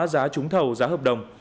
giá trúng thầu giá hợp đồng